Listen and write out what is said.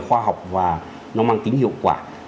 khoa học và nó mang tính hiệu quả